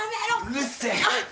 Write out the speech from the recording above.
うるせぇ！